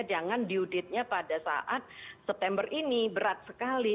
jangan diuditnya pada saat september ini berat sekali